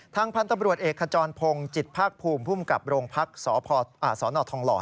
ทางพันธบรวจเอกขจรพงศ์จิตภักดิ์ภูมิภูมิกับโรงพักษ์สนทองหล่อ